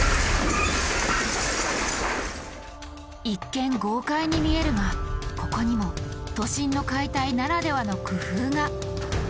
一見豪快に見えるがここにも都心の解体ならではの工夫が。